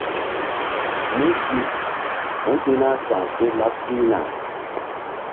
Mu gi mú hi̧ na sawseh laɓ pihna.